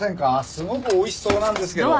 すごく美味しそうなんですけど。